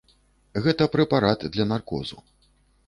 Гэта прэпарат для наркозу.